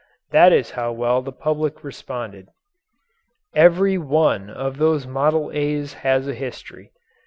That is how well the public responded. Every one of these "Model A's" has a history.